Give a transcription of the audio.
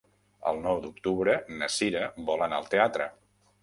El nou d'octubre na Cira vol anar al teatre.